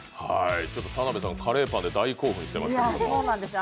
田辺さん、カレーパンで大興奮していましたけど。